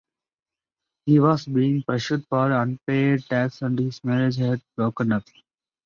He was being pursued for unpaid tax and his marriage had broken up.